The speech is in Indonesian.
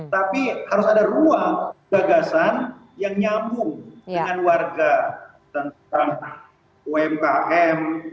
tapi harus ada ruang gagasan yang nyambung dengan warga tentang umkm